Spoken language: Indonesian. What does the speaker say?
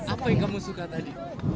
apa yang kamu suka tadi